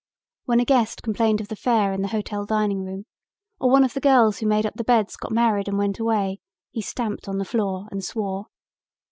When a guest complained of the fare in the hotel dining room or one of the girls who made up the beds got married and went away, he stamped on the floor and swore.